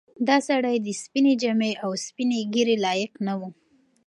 دا سړی د سپینې جامې او سپینې ږیرې لایق نه و.